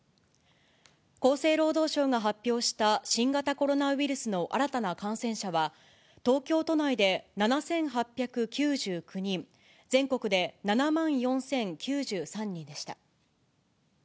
厚生労働省が発表した新型コロナウイルスの新たな感染者は、東京都内で７８９９人、全国で７万４０９３人でした。